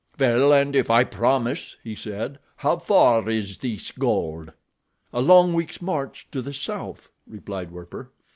"Well, and if I promise," he said. "How far is this gold?" "A long week's march to the south," replied Werper.